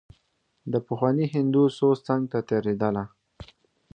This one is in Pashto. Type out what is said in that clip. د پخواني هندو سوز څنګ ته تېرېدله.